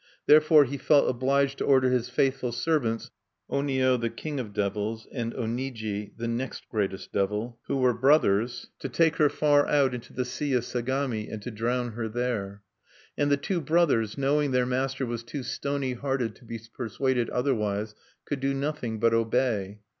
Therefore he felt obliged to order his faithful servants, Onio and Oniji, (1) who were brothers, to take her far out into the sea of Sagami, and to drown her there. And the two brothers, knowing their master was too stony hearted to be persuaded otherwise, could do nothing but obey.